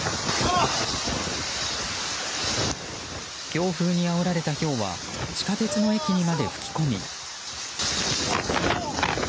強風にあおられたひょうは地下鉄の駅にまで吹き込み。